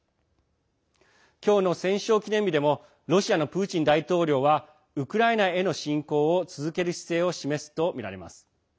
今日の戦勝記念日でもロシアのプーチン大統領はウクライナへの侵攻を続ける姿勢を示すとみられます。